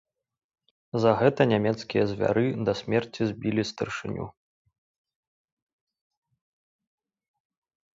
За гэта нямецкія звяры да смецці збілі старшыню.